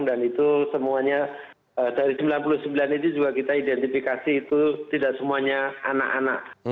itu semuanya dari sembilan puluh sembilan itu juga kita identifikasi itu tidak semuanya anak anak